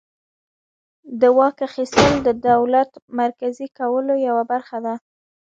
د واک اخیستل د دولت مرکزي کولو یوه برخه وه.